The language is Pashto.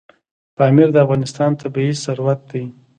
پامیر د افغانستان طبعي ثروت دی.